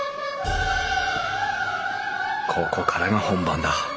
ここからが本番だ。